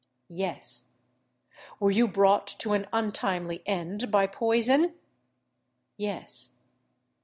"Yes." "Were you brought to an untimely end by poison?" "Yes."